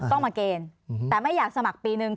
ต้องมาเกณฑ์แต่ไม่อยากสมัครปีนึง